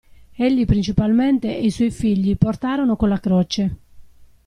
Egli principalmente e i suoi figli portarono con la croce.